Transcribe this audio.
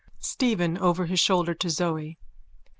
_ STEPHEN: _(Over his shoulder to Zoe.)